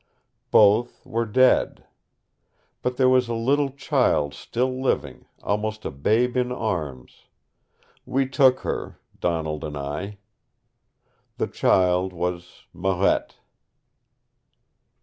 Both were dead. But there was a little child still living, almost a babe in arms. We took her, Donald and I. The child was Marette."